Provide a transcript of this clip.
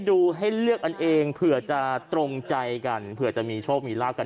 ดูให้เลือกกันเองเผื่อจะตรงใจกันเผื่อจะมีโชคมีลาบกัน